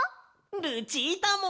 ルチータも！